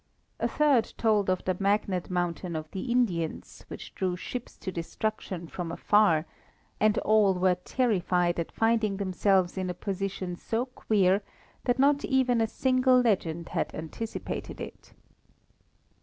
A third told of the Magnet mountain of the Indians, which drew ships to destruction from afar, and all were terrified at finding themselves in a position so queer that not even a single legend had anticipated it.